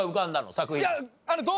作品。